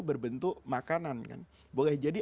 berbentuk makanan kan boleh jadi